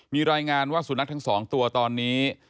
มีรายงานว่าสุนัขทั้ง๒ตัวตอนนี้